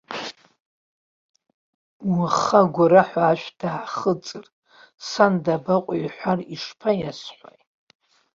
Уаха агәараҳәа ашә даахыҵыр, сан дабаҟоу иҳәар, ишԥаиасҳәои?!